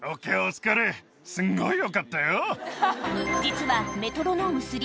すんごいよかったよ。